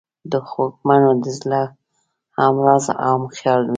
د خوږمنو د زړه همراز او همخیال وي.